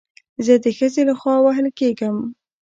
زه د ښځې له خوا وهل کېږم